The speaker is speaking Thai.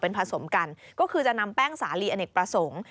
ผสมกันก็คือจะนำแป้งสาลีอเนกประสงค์